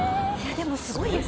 でもすごいです。